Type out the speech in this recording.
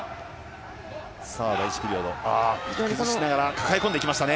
第１ピリオド崩しながら抱え込んでいきましたね。